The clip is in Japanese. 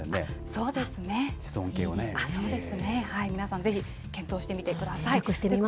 そうですね、皆さん、ぜひ検討してみてください。